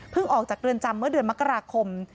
ออกจากเรือนจำเมื่อเดือนมกราคม